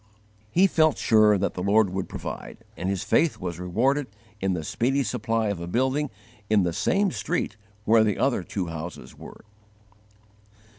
He felt sure that the Lord would provide, and his faith was rewarded in the speedy supply of a building in the same street where the other two houses were.